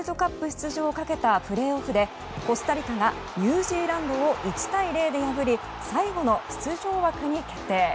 出場をかけたプレーオフでコスタリカがニュージーランドを１対０で破り最後の出場枠に決定。